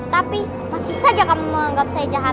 tapi pasti saja kamu menganggap saya jahat